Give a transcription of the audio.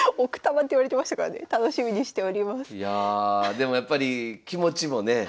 でもやっぱり気持ちもね